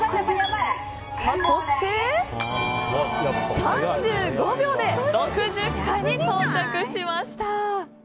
そして、３５秒で６０階に到着しました。